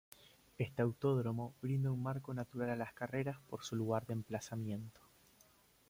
Este autódromo brinda un marco natural a las carreras por su lugar de emplazamiento.